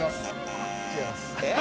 えっ？